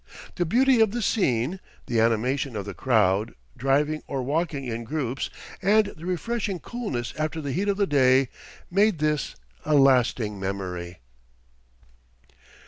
The beauty of the scene, the animation of the crowd, driving or walking in groups, and the refreshing coolness after the heat of the day, made this a lasting memory.